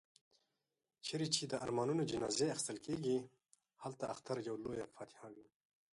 چيري چي د ارمانونو جنازې اخيستل کېږي، هلته اختر يوه لويه فاتحه وي.